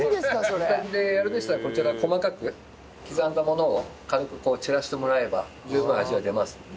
ご自宅でやるんでしたらこちら細かく刻んだものを軽く散らしてもらえば十分味は出ますので。